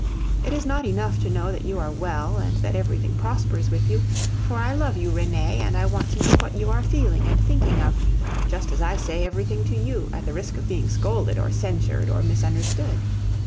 It is not enough to know that you are well and that everything prospers with you; for I love you, Renee, and I want to know what you are feeling and thinking of, just as I say everything to you, at the risk of being scolded, or censured, or misunderstood.